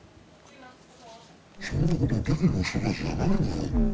そんなことできるような人たちじゃないんだよ。